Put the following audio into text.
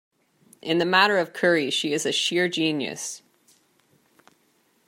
In the matter of curry she is a sheer genius.